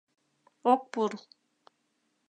Ок пурл.